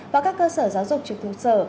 và các cơ sở giáo dục trực thuộc sở